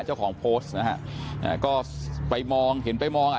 เจ้าของโพสต์นะฮะอ่าก็ไปมองเห็นไปมองอ่ะ